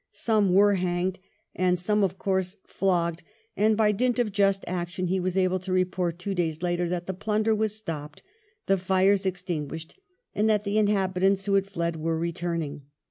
Some were hanged, and some, of II WELLESLEY PLACED IN COMMAND 45 course, flogged, and, by dint of just action, he was able to report two days later that the plunder was stopped, the fires extinguished, and that the inhabitants, who had fled, were returning.